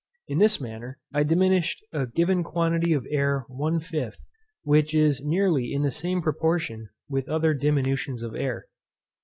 In this manner I diminished a given quantity of air one fifth, which is nearly in the same proportion with other diminutions of air.